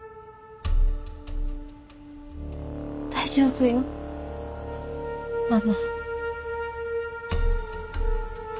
大丈夫よママ。